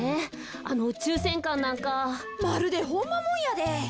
あのうちゅうせんかんなんか。まるでホンマもんやで。